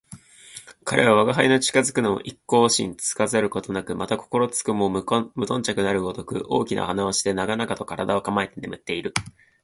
彼は吾輩の近づくのも一向心付かざるごとく、また心付くも無頓着なるごとく、大きな鼾をして長々と体を横えて眠っている